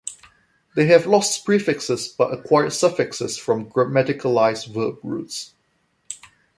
They have lost prefixes but acquired suffixes from grammaticalized verb roots.